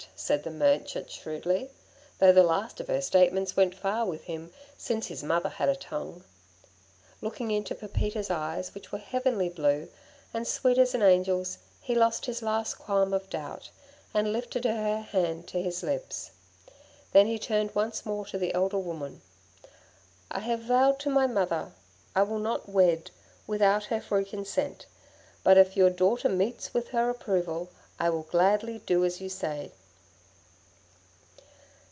said the merchant shrewdly, though the last of her statements went far with him, since his mother had a tongue. Looking into Pepita's eyes, which were heavenly blue, and sweet as an angel's, he lost his last qualm of doubt, and lifted her hand to his lips. Then he turned once more to the elder woman. 'I have vowed to my mother I will not wed without her free consent, but if your daughter meets with her approval, I will gladly do as you say.'